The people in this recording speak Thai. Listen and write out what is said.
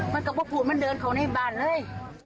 มันกลับไปพูดนี่มันเดินเขาในบ้านเลย